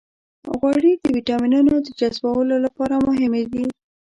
غوړې د ویټامینونو د جذبولو لپاره مهمې دي.